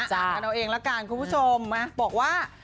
กันเอาเองละกันคุณผู้ชมนะบอกว่า